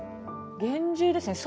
厳重ですね。